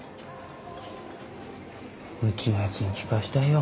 うちのやつに聞かしたいよ。